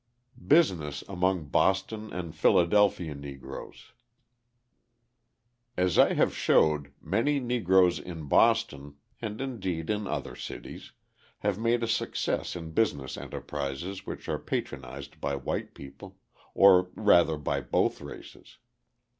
Business Among Boston and Philadelphia Negroes As I have showed many Negroes in Boston (and indeed in other cities) have made a success in business enterprises which are patronised by white people or rather by both races.